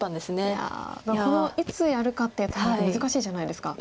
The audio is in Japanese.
いやこのいつやるかっていうタイミング難しいじゃないですか。